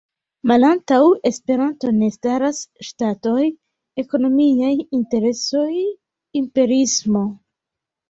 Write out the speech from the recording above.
Malantaŭ Esperanto ne staras ŝtatoj, ekonomiaj interesoj, imperiismo.